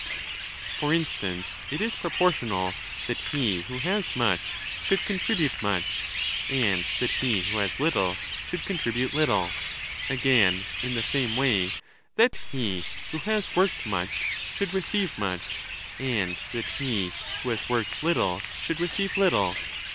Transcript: For instance, it is proportional that he who II94* has much should contribute much, and that he who has little should contribute little ; again, in the same way, that he who has worked much should receive much, and that he who has worked little should receive little.